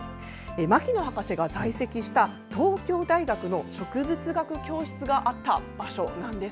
牧野博士が在籍した、東京大学の植物学教室があった場所なんです。